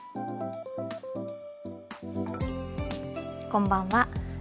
こんばんは。